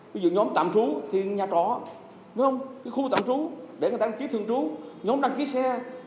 ví dụ nhóm tạm trú thì nhà trọ khu tạm trú để người ta đăng ký thường trú nhóm đăng ký xe